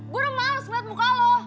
gue udah males ngeliat muka lo